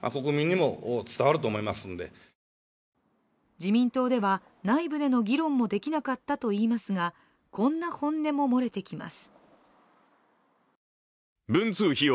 自民党では内部での議論もできなかったといいますが、こんな本音も漏れてきます。